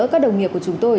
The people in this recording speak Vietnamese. các đồng nghiệp của chúng tôi